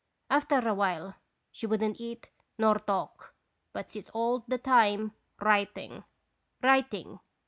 After a while she would n't eat nor talk, but sits all the time writing, writing.